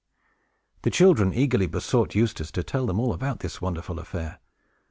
The children eagerly besought Eustace to tell them all about this wonderful affair.